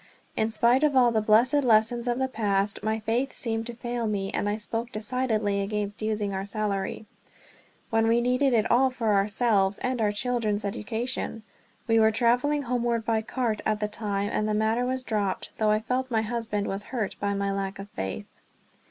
In spite of all the blessed lessons of the past, my faith seemed to fail me; and I spoke decidedly against using our salary, when we needed it all for ourselves and our children's education. We were traveling homeward by cart at the time and the matter was dropped; though I felt my husband was hurt by my lack of faith.